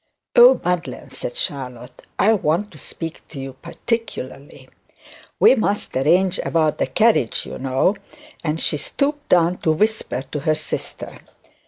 'Oh, Madeline,' said Charlotte, 'I want to speak to you particularly; we must arrange about the carriage, you know,' and she stooped down to whisper to her sister.